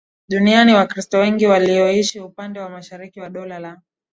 duniani Wakristo wengi walioishi upande wa mashariki wa Dola la